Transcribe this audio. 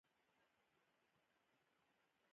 هېڅ ډول طبیعي مواد په کې نه دي کار شوي.